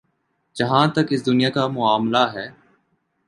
جہاں تک اس دنیا کا معاملہ ہے۔